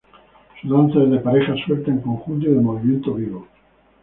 Su danza es de pareja suelta en conjunto y de movimiento vivo.